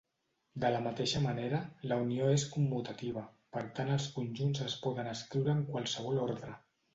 De la mateixa manera, la unió és commutativa, per tant els conjunts es poden escriure en qualsevol ordre.